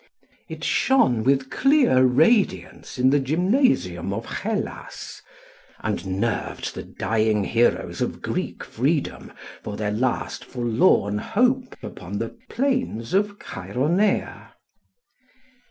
It shone with clear radiance in the gymnasium of Hellas, and nerved the dying heroes of Greek freedom for their last forlorn hope upon the plains of Chæronea.